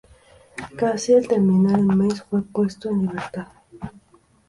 Casi al terminar el mes fue puesto en libertad.